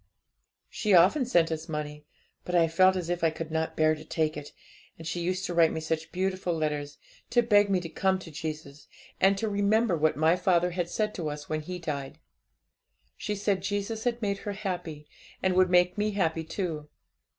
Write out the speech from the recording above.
'She often sent us money; but I felt as if I could not bear to take it. And she used to write me such beautiful letters to beg me to come to Jesus, and to remember what my father had said to us when he died. She said Jesus had made her happy, and would make me happy too.